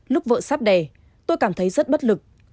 lúc vợ sắp đẻ tôi cảm thấy rất bất lực